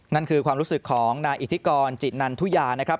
นั่นคือความรู้สึกของนายอิทธิกรจินันทุยานะครับ